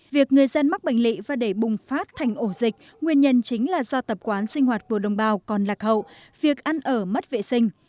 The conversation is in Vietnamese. việc người dân mắc bệnh lị và để bùng phát thành ổ dịch nguyên nhân chính là do tập quán sinh hoạt của đồng bào còn lạc hậu việc ăn ở mất vệ sinh